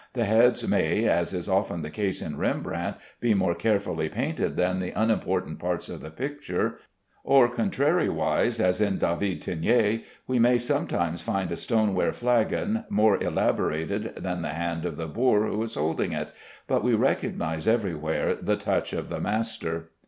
The heads may (as is often the case in Rembrandt) be more carefully painted than the unimportant parts of the picture; or contrariwise, as in David Teniers, we may sometimes find a stoneware flagon more elaborated than the hand of the boor who is holding it, but we recognize everywhere the touch of the master.